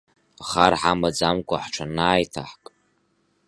Хар ҳамаӡамкәа ҳҽанааиҭаҳк…